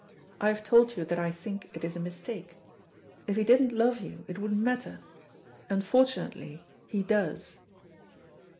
I have told you that I think it is a mistake. If he didn't love you it wouldn't matter. Unfortunately he does."